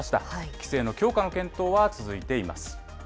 規制の強化の検討は続いています。